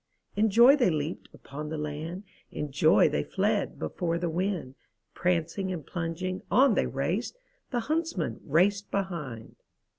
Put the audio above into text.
In joy they leaped upon the land, In joy they fled before the wind. Prancing and plunging on they raced, The huntsman raced behind.